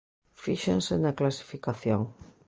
Fíxense na clasificación.